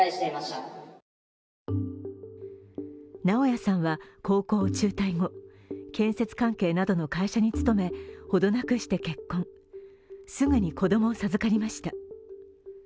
直也さんは高校を中退後、建設関係などの会社に勤め程なくして結婚、すぐに子供を授かりました。